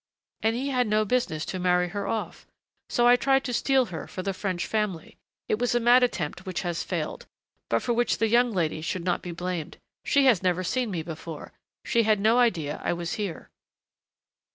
And he had no business to marry her off, so I tried to steal her for the French family. It was a mad attempt which has failed but for which the young lady should not be blamed. She had never seen me before. She had no idea I was here."